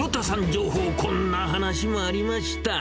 情報、こんな話もありました。